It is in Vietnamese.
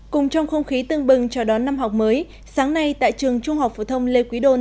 cùng trong không khí tưng bừng chào đón năm học mới sáng nay tại trường trung học phổ thông lê quý đôn